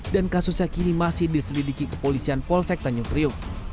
dan kasusnya kini masih diselidiki kepolisian polsek tanjung priuk